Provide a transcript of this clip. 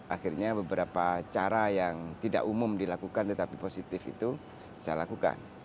akhirnya beberapa cara yang tidak umum dilakukan tetapi positif itu saya lakukan